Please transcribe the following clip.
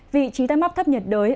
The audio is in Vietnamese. vị trí tăng mắp thấp nhận đới